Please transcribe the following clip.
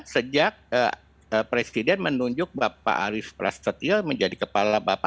sejak presiden menunjuk bapak arief prasetyo menjadi kepala bapak